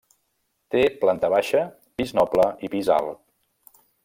Té planta baixa, pis noble i pis alt.